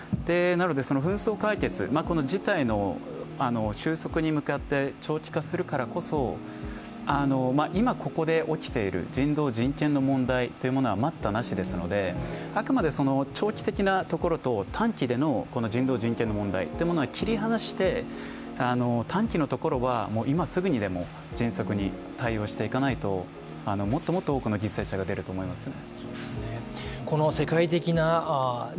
紛争解決、この事態の収束に向かって長期化するからこそ、今、ここで起きている人道、人権の問題というのは待ったなしですのであくまで長期的なところと、短期での人権、人道の問題は切り離して短期のところは今すぐにでも迅速に対応していかないともっと多くの犠牲者が出ると思いますね。